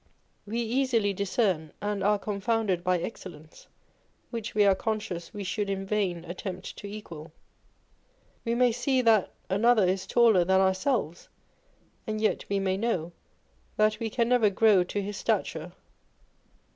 We easily discern and are confounded by excellence which we are conscious we should in vain attempt to equal. We may see that another is taller than ourselves, and yet we may know that we can never grow to his stature.